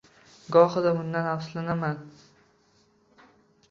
Gohida bundan afsuslanaman